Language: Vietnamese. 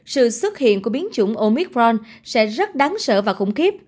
sự xuất hiện của biến chủng omicron sẽ rất đáng sợ và khủng khiếp